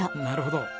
なるほど。